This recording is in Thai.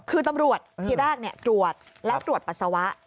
คือตำรวจทีแรกตรวจแล้วตรวจปัสสาวะ